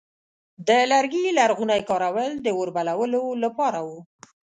د لرګي لرغونی کارول د اور بلولو لپاره و.